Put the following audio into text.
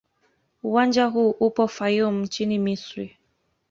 Uwanja huu upo Fayoum nchini Misri.